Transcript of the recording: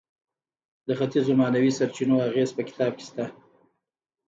د ختیځو معنوي سرچینو اغیز په کتاب کې شته.